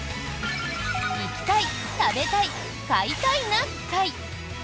「行きたい食べたい買いたいな会」。